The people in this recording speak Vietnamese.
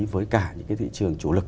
với cả những cái thị trường chủ lực